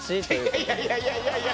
いやいやいやいや。